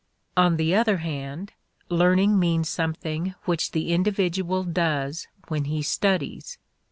On the other hand, learning means something which the individual does when he studies.